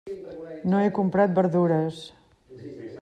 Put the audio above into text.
No he comprat verdures.